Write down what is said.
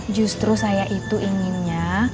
justru saya itu inginnya